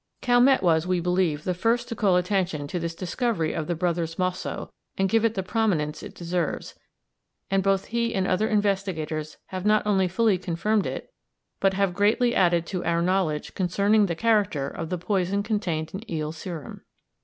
Calmette was, we believe, the first to call attention to this discovery of the brothers Mosso and give it the prominence it deserves, and both he and other investigators have not only fully confirmed it, but have greatly added to our knowledge concerning the character of the poison contained in eel serum.